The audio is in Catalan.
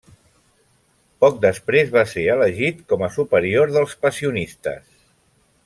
Poc després va ser elegit com a superior dels Passionistes.